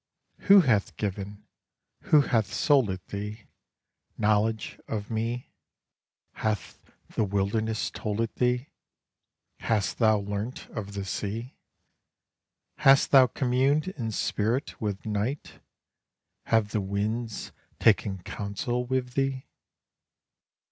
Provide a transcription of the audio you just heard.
Who hath given, who hath sold it thee, Knowledge of me? Hath the wilderness told it thee? Hast thou learnt of the sea? Hast thou communed in spirit with night? have the winds taken counsel with thee?